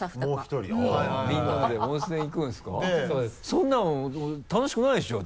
そんなの楽しくないでしょ？